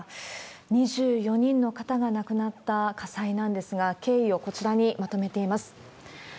２４人の方が亡くなった火災なんですが、経緯をこちらにまとめています。